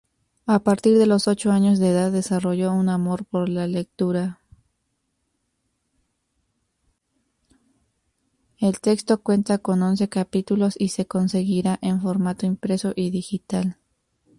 El texto cuenta con once capítulos y se conseguirá en formato impreso y digital.